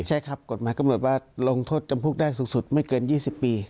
ใช่ครับกฎหมายกำหนดว่าลงโทษจำคุกได้สูงสุดไม่เกิน๒๐ปี